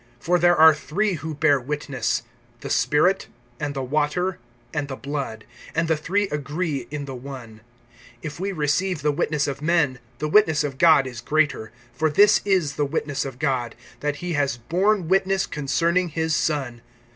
(7)For there are three who bear witness; the Spirit, and the water, and the blood; (8)and the three agree in the one[5:8]. (9)If we receive the witness of men, the witness of God is greater; for this is the witness of God, that he has borne witness concerning his Son.